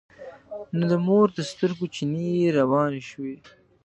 نو د مور د سترګو چينې يې روانې شوې.